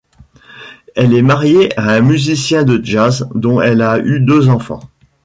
Elle est mariée à un musicien de jazz dont elle a eu deux enfants.